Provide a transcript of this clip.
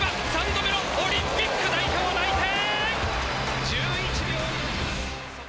３度目のオリンピック代表内定！